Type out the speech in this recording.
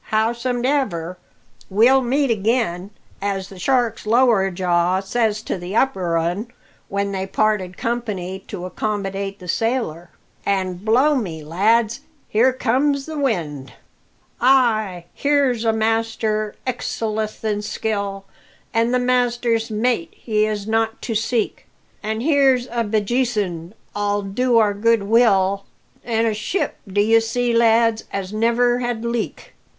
"Howsomedever, we'll meet again, as the shark's lower jaw says to the upper 'un when they parted company to accomidate the sailor. An' blow me, lads, here comes the wind! "Ay, here's a master excelleth in skill, An' the master's mate he is not to seek; An' here's a Bjsin ull do our good will, An' a ship, d'ye see, lads, as never had leak.